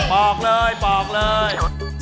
บอกเลยบอกเลย